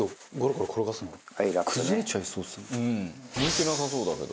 「向いてなさそうだけど。